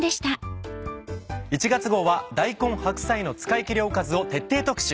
１月号は大根・白菜の使い切りおかずを徹底特集。